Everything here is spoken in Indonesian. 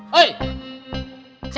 hei siapa tuh